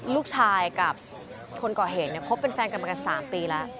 ลูกชายกับคนก่อเหตุเนี่ยคบเป็นแฟนกันมากัน๓ปีแล้ว